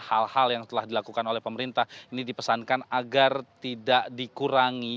hal hal yang telah dilakukan oleh pemerintah ini dipesankan agar tidak dikurangi